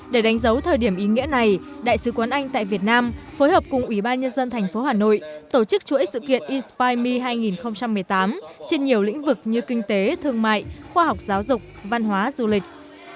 để đánh dấu thời điểm ý nghĩa này đại sứ quán anh tại việt nam phối hợp cùng ủy ban nhân dân thành phố hà nội tổ chức chuỗi sự kiện in spimi hai nghìn một mươi tám trên nhiều lĩnh vực như kinh tế thương mại khoa học giáo dục văn hóa du lịch